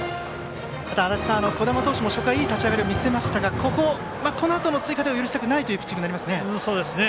足達さん、児玉投手も初回いい立ち上がりを見せましたがこのあとの追加点を許したくないピッチングになりましたね。